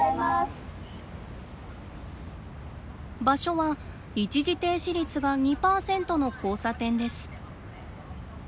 場所は一時停止率が２％の交差点です。